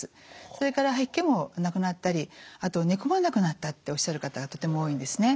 それから吐き気もなくなったりあと寝込まなくなったっておっしゃる方がとても多いんですね。